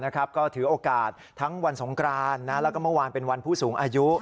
ก็ถือโอกาสทั้งวันสงกรานแล้วก็เมื่อวานเป็นวันผู้สูงอายุ